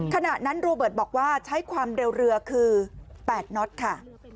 ขณะนั้นโรเบิร์ตบอกว่าใช้ความเร็วเรือคือ๘น็อตค่ะ